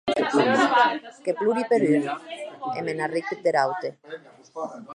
Que plori per un, e me n’arric der aute.